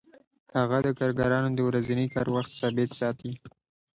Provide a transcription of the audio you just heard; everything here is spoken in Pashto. هغه د کارګرانو د ورځني کار وخت ثابت ساتي